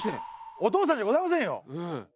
お父さんじゃございませんよ。